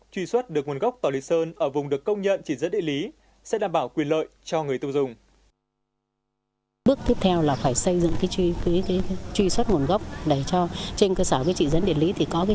truy xuất được nguồn gốc tỏi lý sơn ở vùng được công nhận chỉ dẫn địa lý